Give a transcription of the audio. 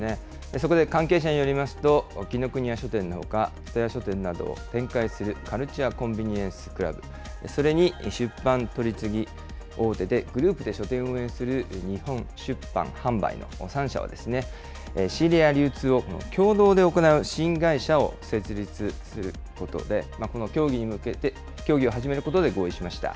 そこで関係者によりますと、紀伊國屋書店のほか、蔦屋書店などを展開する、カルチュア・コンビニエンス・クラブ、それに出版取り次ぎ大手で、グループで書店を運営する日本出版販売の３社は、仕入れや流通を共同で行う新会社を設立することで、この協議を始めることで合意しました。